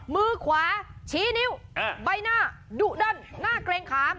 มือขวาชี้นิ้วใบหน้าดุดันหน้าเกรงขาม